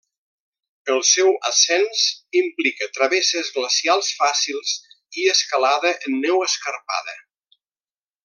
El seu ascens implica travesses glacials fàcils i escalada en neu escarpada.